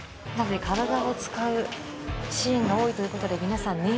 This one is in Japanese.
まず体を使うシーンが多いということで皆さん